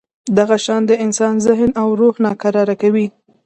دغه شیان د انسان ذهن او روح ناکراره کوي.